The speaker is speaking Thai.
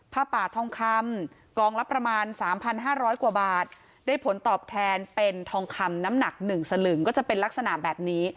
ผ้าป่าทองคำกองละประมาณ๓๕๐๐กว่าบาทได้ผลตอบแทนเป็นทองคำน้ำหนัก๑สลึงก็จะเป็นลักษณะแบบนี้